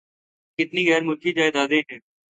کتنی غیر ملکی جائیدادیں ہیں۔